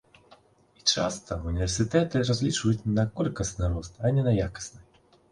І часта ўніверсітэты разлічваюць на колькасны рост, а не якасны.